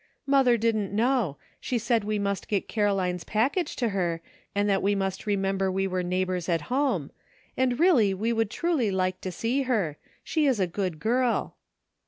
"Mother didn't know; she said we must get Caroline's package to her, and that we must remember we were neighbors at home ; and really we would truly like to see her. She is a good girl."